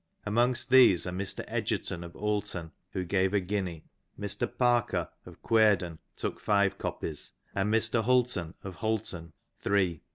Amongst these are Mr. Egerton of Oulton, who gave a guinea. Mr. Parker of Cuerden took five copies, and Mr. Hulton of Hulton three.